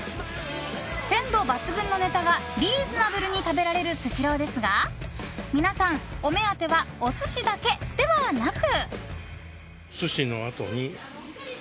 鮮度抜群のネタがリーズナブルに食べられるスシローですが皆さん、お目当てはお寿司だけではなく。